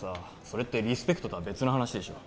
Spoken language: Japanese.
それってリスペクトとは別の話でしょ